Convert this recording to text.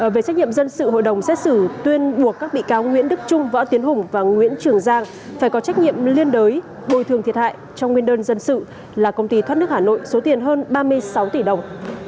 về trách nhiệm dân sự hội đồng xét xử tuyên buộc các bị cáo nguyễn đức trung võ tiến hùng và nguyễn trường giang phải có trách nhiệm liên đới bồi thường thiệt hại trong nguyên đơn dân sự là công ty thoát nước hà nội số tiền hơn ba mươi sáu tỷ đồng